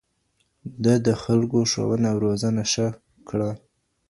ده د خلکو ښوونه او روزنه ښه کړه